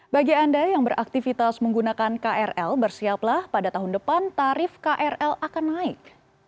bagi anda yang beraktivitas menggunakan krl bersiaplah pada tahun depan tarif krl akan naik